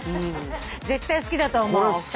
絶対好きだと思うお二人。